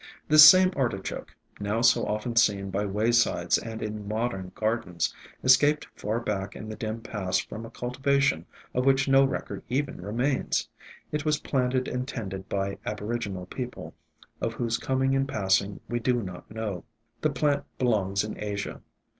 "This same Artichoke, now so often seen by waysides and in modern gardens, escaped far back in the dim past from a cultivation of which no record even remains; it was planted and tended by ESCAPED FROM GARDENS 9 1 aboriginal people, of whose coming and passing we do not know. The plant belongs in Asia.